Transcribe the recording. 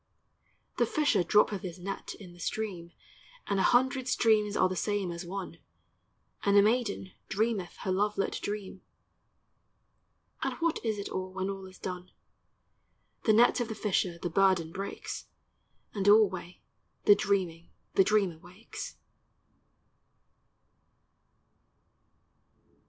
The fisher droppeth his net in the stream, And a hundred streams are the same as one; And the maiden dreameth her love lit dream, And what is it all, when all is done? The net of the fisher the burden breaks, And alway the dreaming the dreamer wakes.